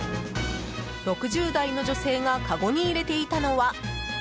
６０代の女性がかごに入れていたのは。